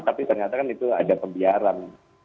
tapi ternyata kan itu ada pembiaran